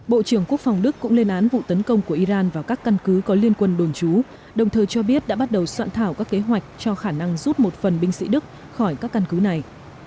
bộ trưởng quốc phòng đức cũng lên án vụ tấn công của iran vào các căn cứ có liên quân đồn trú đồng thời cho biết đã bắt đầu soạn thảo các kế hoạch cho khả năng rút một phần binh sĩ đức khỏi các căn cứ này